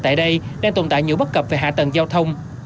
tại đây đang tồn tại nhiều bất cập về hạ tầng giao thông